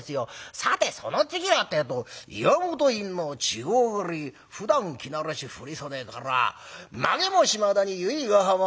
さてその次はってえと『岩本院の稚児上がりふだん着慣れし振り袖から髷も島田に由比ヶ浜。